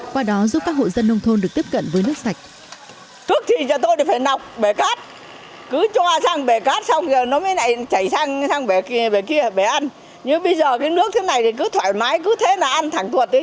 qua đó giúp các hộ dân nông thôn được tiếp cận với nước sạch